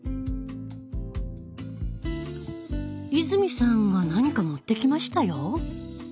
泉さんが何か持ってきましたよ。